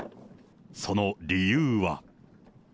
その理由は。